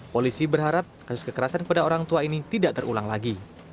polisi berharap kasus kekerasan kepada orang tua ini tidak terulang lagi